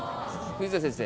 藤田先生。